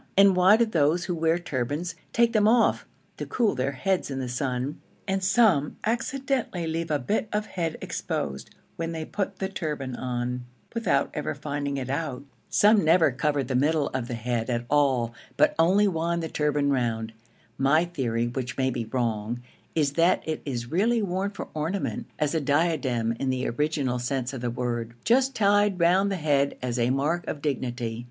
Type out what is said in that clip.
and why do those who wear turbans take them off to cool their heads in the sun, and some accidentally leave a bit of head exposed when they put the turban on without ever finding it out? Some never cover the middle of the head at all, but only wind the turban round. My theory, which may be wrong, is that it is really worn for ornament, as a diadem in the original sense of the word, just tied round the head as a mark of dignity.